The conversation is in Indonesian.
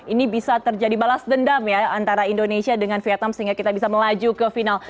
ini bisa terjadi balas dendam ya antara indonesia dengan vietnam sehingga kita bisa melaju ke final